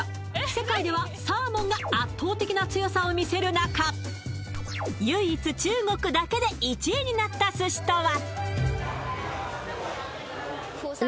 世界ではサーモンが圧倒的な強さを見せる中、唯一、中国だけで１位になった寿司とは？